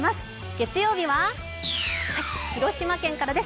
月曜日は広島県からです。